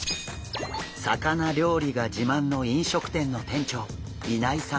魚料理が自慢の飲食店の店長稲井さん。